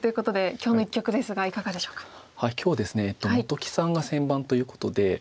今日ですね本木さんが先番ということで。